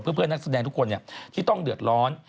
เพื่อนนักแสดงทุกคนที่ต้องเดือดร้อน